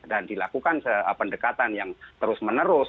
dan dilakukan pendekatan yang terus menerus